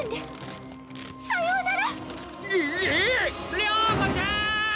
了子ちゃん！